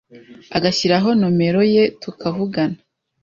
agashyiraho nomero ye tukavugana